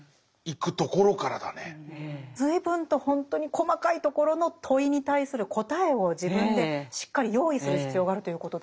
随分とほんとに細かいところの問いに対する答えを自分でしっかり用意する必要があるということですね。